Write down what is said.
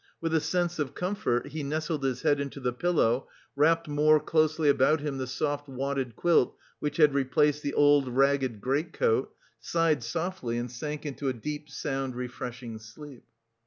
With a sense of comfort he nestled his head into the pillow, wrapped more closely about him the soft, wadded quilt which had replaced the old, ragged greatcoat, sighed softly and sank into a deep, sound, refreshing sleep.